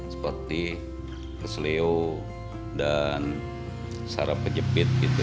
seperti keselio dan sarap kejepit gitu